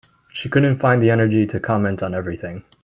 She couldn’t find the energy to comment on everything.